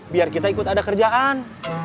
biar kita ikut ada kerjaan